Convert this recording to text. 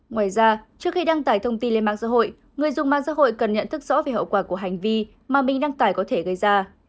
ngoài ra trước khi đăng tải thông tin lên mạng xã hội người dùng mạng xã hội cần nhận thức rõ về hậu quả của hành vi mà mình đăng tải có thể gây ra